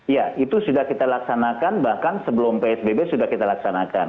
ya itu sudah kita laksanakan bahkan sebelum psbb sudah kita laksanakan